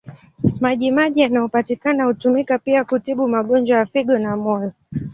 Maji maji yanayopatikana hutumika pia kutibu magonjwa ya figo na moyo.